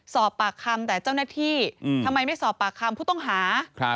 สอบปากคำแต่เจ้าหน้าที่ทำไมไม่สอบปากคำผู้ต้องหา